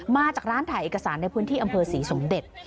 มาจากร้านถ่ายเอกสารในพื้นที่อำเภอศรีสมเด็จ